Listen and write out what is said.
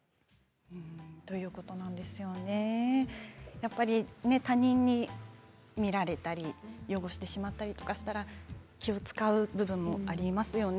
やっぱり他人に見られたり汚してしまったりとかしたら気を遣う部分もありますよね。